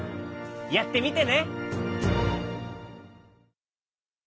やってみてね。